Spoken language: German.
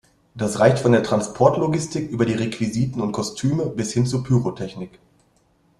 Das reicht von der Transportlogistik über die Requisiten und Kostüme bis hin zur Pyrotechnik.